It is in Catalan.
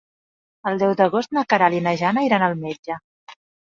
El deu d'agost na Queralt i na Jana iran al metge.